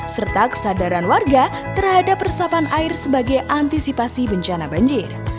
serta kesadaran warga terhadap resapan air sebagai antisipasi bencana banjir